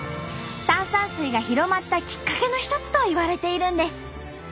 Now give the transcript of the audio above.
炭酸水が広まったきっかけの一つといわれているんです。